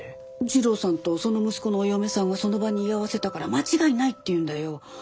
次郎さんとその息子のお嫁さんがその場に居合わせたから間違いないって言うんだよ。